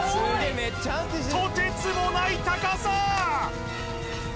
とてつもない高さ！